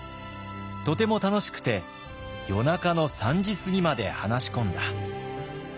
とても楽しくて夜中の３時過ぎまで話し込んだ」。